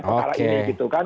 perkara ini gitu kan